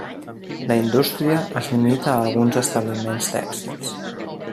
La indústria es limita a alguns establiments tèxtils.